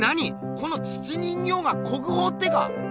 この土人形が国宝ってか？